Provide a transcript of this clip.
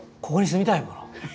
ここに住みたいもの。